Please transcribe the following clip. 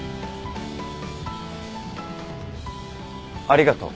ありがとう。